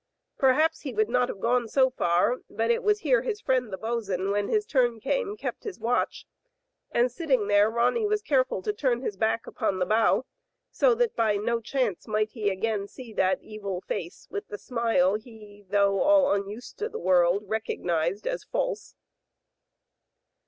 Perhaps he would not have gone so far, but it was here his friend the bos*n*, when his turn came, kept his watch, and sitting there Ronny was careful to turn his back upon the bow, so that by no chance might he again see that evil face with the smile he, though all unused to the world, recognized as false.